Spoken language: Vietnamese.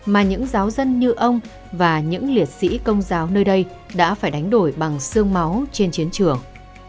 mà những giáo dân như ông và những liệt sĩ công giáo nơi đây đã phải đánh đổi bằng sương máu trên chiến trường